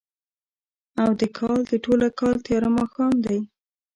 او د کال، د ټوله کال تیاره ماښام دی